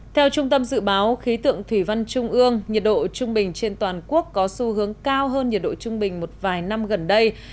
theo trung tâm dự báo khí tượng thủy văn trung ương nhiệt độ trung bình trên toàn quốc có xu hướng cao hơn nhiệt độ trung bình một vài năm gần đây